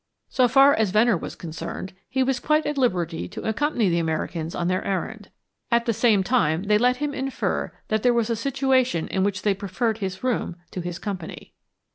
So far as Venner was concerned, he was quite at liberty to accompany the Americans on their errand; at the same time they let him infer that here was a situation in which they preferred his room to his company.